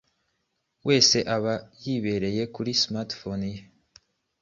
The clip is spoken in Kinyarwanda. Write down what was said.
wese aba yibereye kuri smartphone ye.